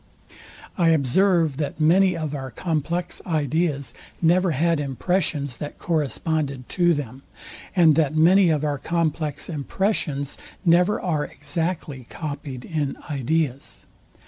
I observe, that many of our complex ideas never had impressions, that corresponded to them, and that many of our complex impressions never are exactly copied in ideas.